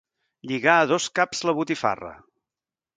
Lligar a dos caps la botifarra.